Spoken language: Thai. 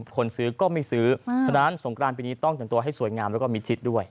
คนซื้อก็ไม่ซื้อฉะนั้นสงกรานปีนี้ต้องแต่งตัวให้สวยงามแล้วก็มิดชิดด้วย